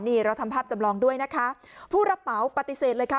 นี่เราทำภาพจำลองด้วยนะคะผู้รับเหมาปฏิเสธเลยค่ะ